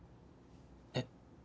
えっ？